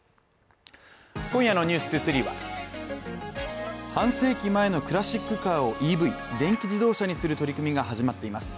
今夜の「ｎｅｗｓ２３」は半世紀前のクラシックカーをＥＶ電気自動車にする取り組みが始まっています